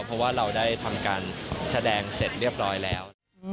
เพราะว่าเราได้ทำการแสดงเสร็จเรียบร้อยแล้ว